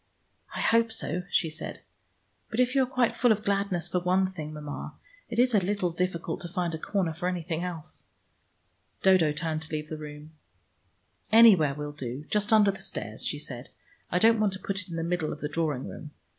I hope so," she said. "But if you are quite full of gladness for one thing, Mama, it is a little difficult to find a corner for anything else." Dodo turned to leave the room. "Anywhere will do. Just under the stairs," she said. "I don't want to put it in the middle of the drawing room.